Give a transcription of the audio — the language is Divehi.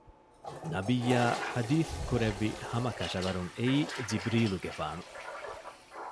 ނަބިއްޔާ ޙަދީޘް ކުރެއްވި ހަމަކަށަވަރުން އެއީ ޖިބްރީލުގެފާނު